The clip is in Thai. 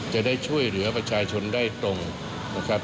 จะได้ช่วยเหลือประชาชนได้ตรงนะครับ